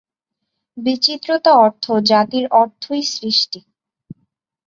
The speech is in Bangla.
বিচিত্রতা অর্থাৎ জাতির অর্থই সৃষ্টি।